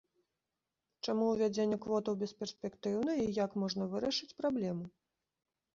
Чаму ўвядзенне квотаў бесперспектыўна, і як можна вырашыць праблему?